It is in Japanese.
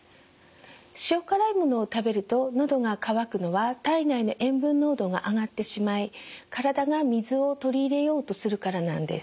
塩辛いものを食べると喉が渇くのは体内の塩分濃度が上がってしまい体が水を取り入れようとするからなんです。